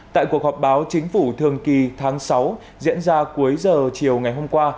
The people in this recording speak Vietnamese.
tại cuộc họp báo chính phủ thường kỳ tháng sáu diễn ra cuối giờ chiều ngày hôm qua